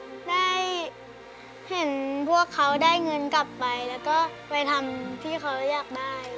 ได้เห็นพวกเขาได้เงินกลับไปแล้วก็ไปทำที่เขาอยากได้